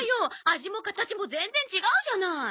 味も形も全然違うじゃない！